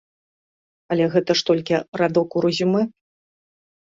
Але гэта ж толькі радок у рэзюмэ.